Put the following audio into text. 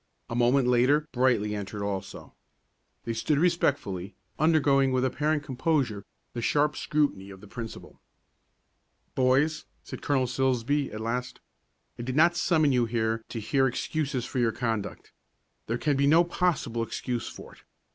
A moment later Brightly entered also. They stood respectfully, undergoing with apparent composure the sharp scrutiny of the principal. "Boys," said Colonel Silsbee at last, "I did not summon you here to hear excuses for your conduct. There can be no possible excuse for it.